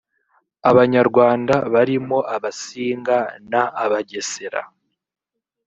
abanyarwanda barimo abasinga n abagesera